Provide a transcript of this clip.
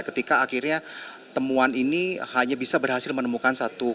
ketika akhirnya temuan ini hanya bisa berhasil menemukan satu